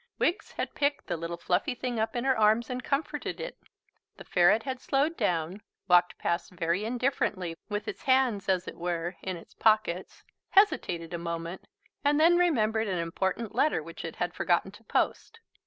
Wiggs had picked the little fluffy thing up in her arms and comforted it; the ferret had slowed down, walked past very indifferently with its hands, as it were, in its pockets, hesitated a moment, and then remembered an important letter which it had forgotten to post.